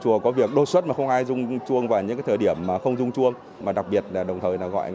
cho đến các khu thờ